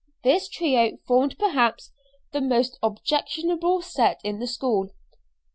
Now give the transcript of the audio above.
This trio formed perhaps the most objectionable set in the school.